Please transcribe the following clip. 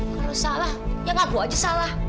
kalau salah ya ngaruh aja salah